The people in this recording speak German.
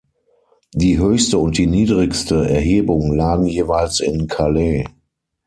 Die höchste und die niedrigste Erhebung lagen jeweils in Calais.